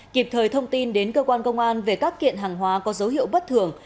kịp thời thông tin đến cơ quan công an về các kiện hàng hóa có dấu hiệu bất thường